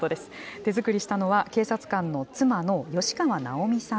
手作りしたのは、警察官の妻の吉川尚美さん。